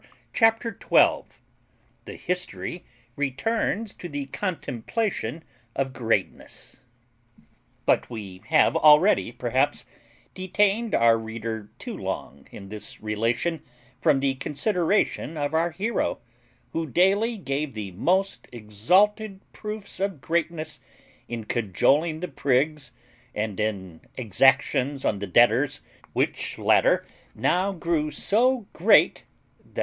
CHAPTER TWELVE THE HISTORY RETURNS TO THE CONTEMPLATION OF GREATNESS. But we have already, perhaps, detained our reader too long in this relation from the consideration of our hero, who daily gave the most exalted proofs of greatness in cajoling the prigs, and in exactions on the debtors; which latter now grew so great, i. e.